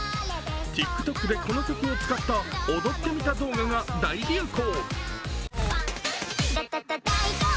ＴｉｋＴｏｋでこの曲を使った踊ってみたが大流行。